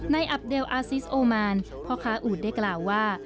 อับเดลอาซิสโอมานพ่อค้าอูดได้กล่าวว่า